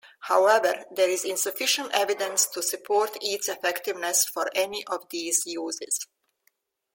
However, there is insufficient evidence to support its effectiveness for any of these uses.